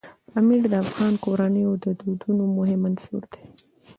پامیر د افغان کورنیو د دودونو مهم عنصر دی.